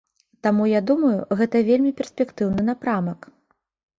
Таму я думаю, гэта вельмі перспектыўны напрамак.